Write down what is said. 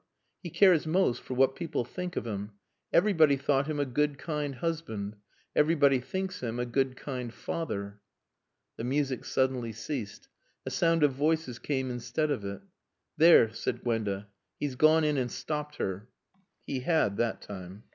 "He cares most for what people think of him. Everybody thought him a good kind husband. Everybody thinks him a good kind father." The music suddenly ceased. A sound of voices came instead of it. "There," said Gwenda. "He's gone in and stopped her." He had, that time.